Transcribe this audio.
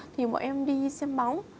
thì mọi em đi xem bóng